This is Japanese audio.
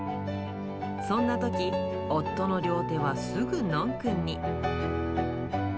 そんなとき、夫の両手はすぐノンくんに。